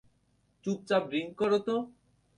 চুপচাপ ড্রিংক করো তো!